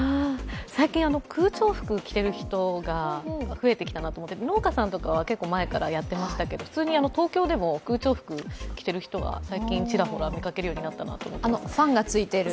最近空調服着ている人が増えてきたなと思って農家さんとかは結構前からやってましたけど、普通に東京でも空調服、着ている方を最近ちらほら見かけるようになったなと。